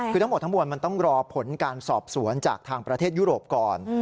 คือทั้งหมดทั้งมวลมันต้องรอผลการสอบสวนจากทางประเทศยุโรปก่อน